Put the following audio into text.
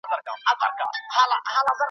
له زندانه تر آزادۍ .